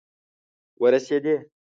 ورسیدي